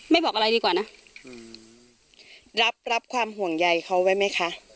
บอกอะไรดีกว่านะรับรับความห่วงใยเขาไว้ไหมคะ